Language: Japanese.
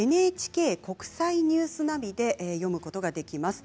ＮＨＫ国際ニュースナビで読むことができます。